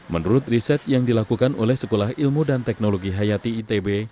menurut riset yang dilakukan oleh sekolah ilmu dan teknologi hayati itb